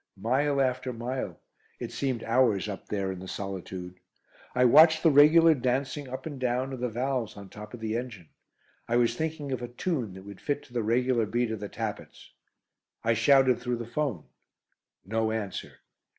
Mile after mile; it seemed hours up there in the solitude. I watched the regular dancing up and down of the valves on top of the engine. I was thinking of a tune that would fit to the regular beat of the tappets. I shouted through the 'phone. No answer.